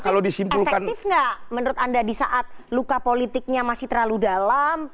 efektif nggak menurut anda di saat luka politiknya masih terlalu dalam